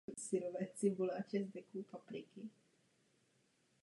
Potřebujeme, aby se zapojilo rozhodující množství partnerů.